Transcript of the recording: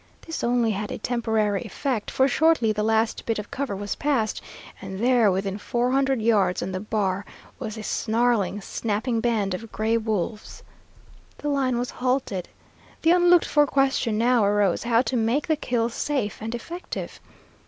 This only had a temporary effect, for shortly the last bit of cover was passed, and there within four hundred yards on the bar was a snarling, snapping band of gray wolves. The line was halted. The unlooked for question now arose how to make the kill safe and effective.